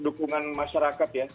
dukungan masyarakat ya